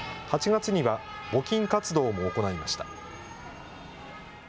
８月には募金活動も行いました。